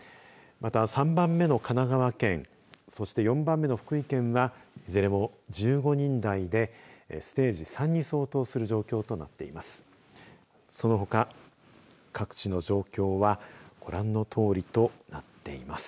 また３番目の神奈川県そして４番目の福井県はいずれも１５人台でステージ３に相当する状況となっています。